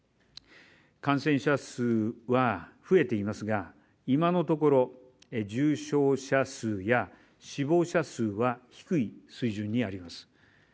感染者数は増えていますが、今のところ重症者数や死亡者数は低い水準にあります。